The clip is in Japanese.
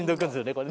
これ。